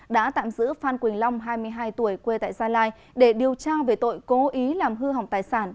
đã tạm giữ phan quỳnh long hai mươi hai tuổi quê tại gia lai để điều tra về tội cố ý làm hư hỏng tài sản